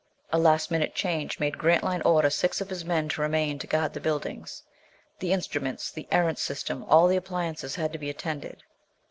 A last minute change made Grantline order six of his men to remain to guard the buildings. The instruments, the Erentz system, all the appliances had to be attended.